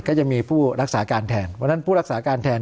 ก็จะมีผู้รักษาการแทนเพราะฉะนั้นผู้รักษาการแทน